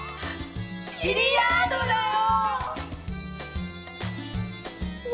ビリヤードだよ。